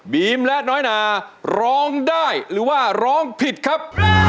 และน้อยนาร้องได้หรือว่าร้องผิดครับ